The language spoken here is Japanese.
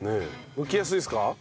むきやすいですか？